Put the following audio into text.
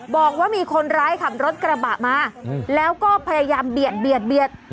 บอกว่ามีคนร้ายขับรถกระบะมาแล้วก็พยายามเบียด